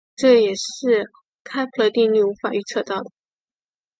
这也是开普勒定律无法预测到的。